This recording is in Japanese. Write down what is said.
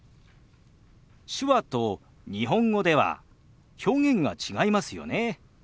手話と日本語では表現が違いますよね。